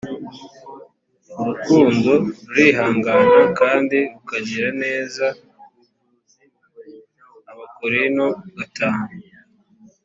urukundo rurihangana kandi rukagira neza abakorinto gatanu